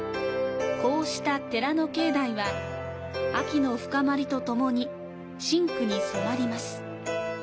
こうした寺の境内は、秋の深まりとともに、深紅に染まります。